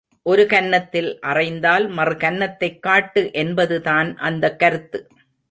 ஒரு கன்னத்தில் அறைந்தால் மறு கன்னத்தைக் காட்டு என்பதுதான் அந்தக் கருத்து.